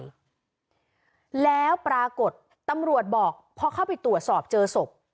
แล้วปรากฏตำรวจบอกพอเข้าไปตรวจสอบเจอศพ